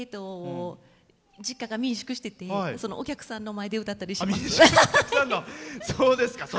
実家が民宿をしていてそのお客さんの前で歌ったりします。